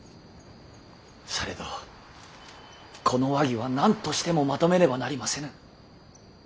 されどこの和議は何としてもまとめねばなりませぬ。